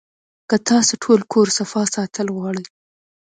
کۀ تاسو ټول کور صفا ساتل غواړئ